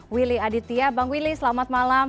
willy aditya bang willy selamat malam